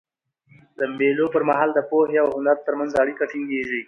د مېلو پر مهال د پوهي او هنر ترمنځ اړیکه ټینګيږي.